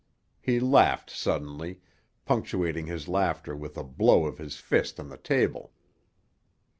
He laughed suddenly, punctuating his laughter with a blow of his fist on the table.